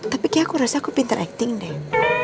tapi kayak aku rasa aku pinter acting deh